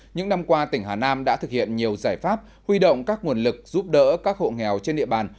những năm qua tỉnh hà nam đã thực hiện nhiều giải pháp huy động các nguồn lực giúp đỡ các hộ nghèo trên địa bàn